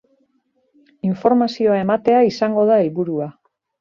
Informazioa ematea izango da helburua.